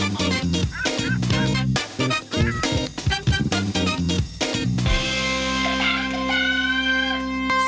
บรรยากาลกรุงเทพฯ